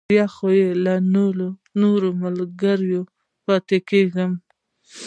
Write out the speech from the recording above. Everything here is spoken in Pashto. بیا خو له نورو ملګرو پاتې کېږم.